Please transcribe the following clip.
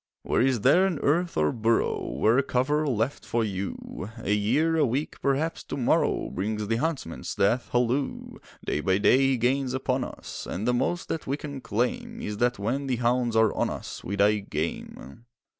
Where is there an earth or burrow? Where a cover left for you? A year, a week, perhaps to morrow Brings the Huntsman's death halloo! Day by day he gains upon us, And the most that we can claim Is that when the hounds are on us We die game.